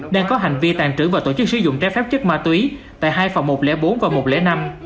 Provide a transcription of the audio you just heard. đang có hành vi tàn trữ và tổ chức sử dụng trái phép chất ma túy tại hai phòng một trăm linh bốn và một trăm linh năm